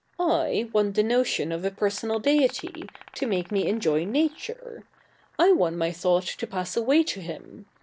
/ want the notion of a personal deity, to make me enjoy nature. I want my thought to pass away to him.